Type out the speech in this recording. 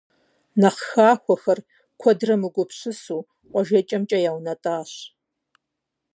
Нэхъ хахуэхэр, куэдрэ мыгупсысэу, къуажэкӀэмкӀэ яунэтӀащ.